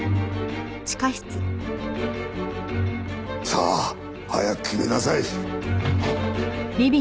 さあ早く決めなさい。